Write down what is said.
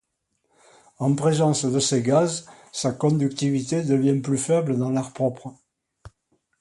En présence de ces gaz, sa conductivité devient plus faible dans l'air propre.